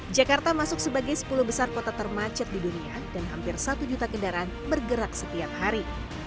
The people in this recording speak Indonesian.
jakarta masuk sebagai sepuluh besar kota termacet di dunia dan hampir satu juta kendaraan bergerak setiap hari